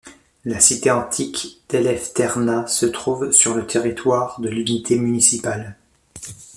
La cité antique d'Eleftherna se trouve sur le territoire de l'unité municipale.